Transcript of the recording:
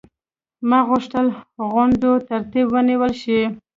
ما غوښتل غونډو ترتیب ونیول شي.